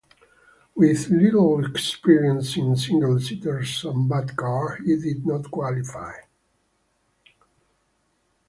With little experience in single seaters and a bad car, he did not qualify.